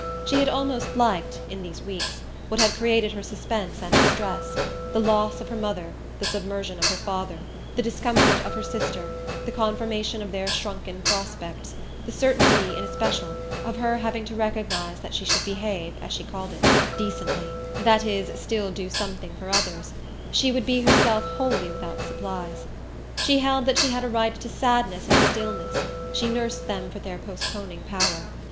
She had almost liked, in these weeks, what had created her suspense and her stress: the loss of her mother, the submersion of her father, the discomfort of her sister, the confirmation of their shrunken prospects, the certainty, in especial, of her having to recognise that should she behave, as she called it, decently that is still do something for others she would be herself wholly without supplies. She held that she had a right to sadness and stillness; she nursed them for their postponing power.